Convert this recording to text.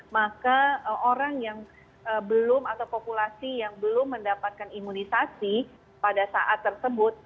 maka orang yang belum atau populasi yang belum mendapatkan imunisasi pada saat tersebut